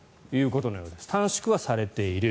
短縮はされている。